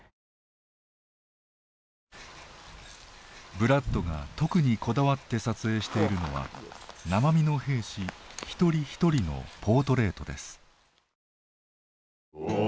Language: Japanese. ブラッドが特にこだわって撮影しているのは生身の兵士一人一人のポートレートです。